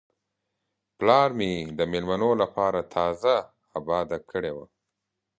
پلار مې د میلمنو لپاره تازه آباده کړې وه.